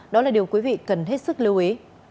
đó là điều quý vị cần hết sức lưu ý